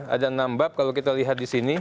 ada enam bab kalau kita lihat disini